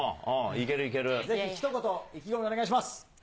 ひと言意気込みをお願いしま